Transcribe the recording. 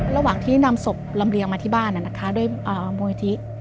ระหว่างที่นำศพลำเรียงมาที่บ้านด้วยมูลิธิ